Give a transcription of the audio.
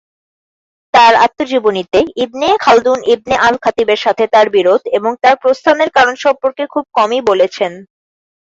তার আত্মজীবনীতে, Ibn Khaldun Ibn আল-খাতিবের সাথে তার বিরোধ এবং তার প্রস্থানের কারণ সম্পর্কে খুব কমই বলেছেন।